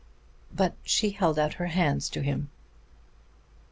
But she held out her hands to him.